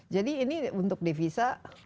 jadi ini untuk devisa